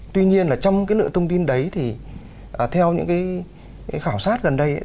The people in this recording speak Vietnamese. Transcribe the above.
tuy nhiên là trong cái lựa thông tin đấy thì theo những cái khảo sát gần đây